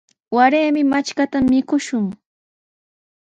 Waraymi matrkata mikushun.